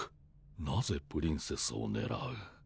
なぜプリンセスをねらう？